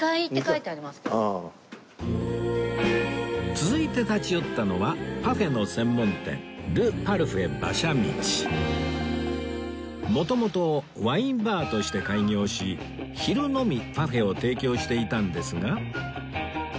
続いて立ち寄ったのはパフェの専門店元々ワインバーとして開業し昼のみパフェを提供していたんですが